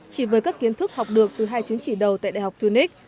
chỉ với các kiến thức học được từ hai chứng chỉ đầu tại đại học phunix